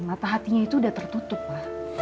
mata hatinya itu udah tertutup pak